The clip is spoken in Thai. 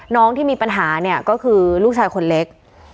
น้องที่มีปัญหาเนี่ยก็คือลูกชายคนเล็ก